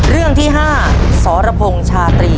เรื่องที่๕สรพงศ์ชาตรี